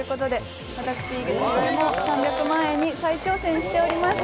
私、井桁弘恵も３００万円に再挑戦しております。